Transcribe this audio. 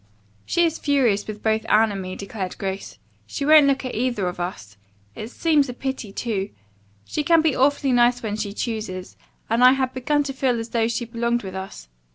"She is furious with both Anne and me," declared Grace. "She won't look at either of us. It seems a pity, too. She can be awfully nice when she chooses, and I had begun to feel as though she belonged with us.